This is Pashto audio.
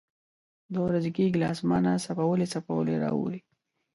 دوه ورځې کېږي له اسمانه څپولی څپولی را اوري.